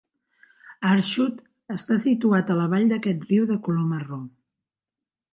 Aarschot està situat a la vall d'aquest riu de color marró.